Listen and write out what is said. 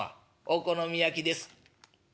「お好み焼きです」。